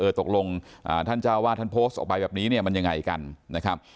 ตกลงท่านเจ้าวาดท่านโพสต์ออกไปแบบนี้เนี่ยมันยังไงกันนะครับ